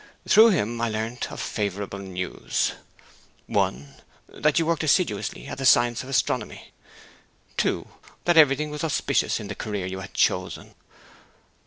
Through him I learnt, of favourable news: '(1) That you worked assiduously at the science of astronomy. '(2) That everything was auspicious in the career you had chosen.